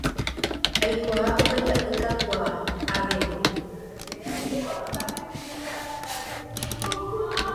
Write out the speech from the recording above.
Aikuaa ko karia'y kakuaa, avevo.